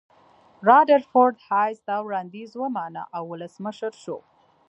رادرفورد هایس دا وړاندیز ومانه او ولسمشر شو.